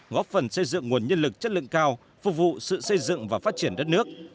góp phần xây dựng nguồn nhân lực chất lượng cao phục vụ sự xây dựng và phát triển đất nước